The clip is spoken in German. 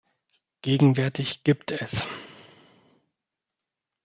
Gegenwärtig gibt es